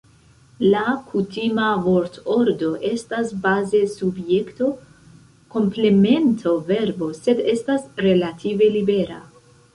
La kutima vortordo estas baze subjekto-komplemento-verbo, sed estas relative libera.